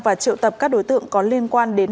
và triệu tập các đối tượng có liên quan đến